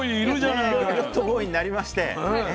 ね魚魚っとボーイになりましてね